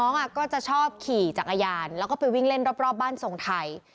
เขาก็จะชอบขี่จากอาญาณแล้วก็วิ่งเล่นรอบบ้านทรงไทย